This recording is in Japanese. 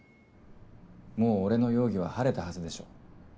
もう俺の容疑は晴れたはずでしょう。